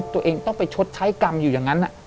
ตัวเองต้องไปชดใช้กรรมอยู่อย่างนั้น